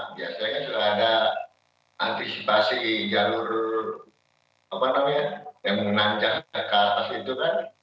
biasanya sudah ada antisipasi jalur yang menanggung jangka atas itu kan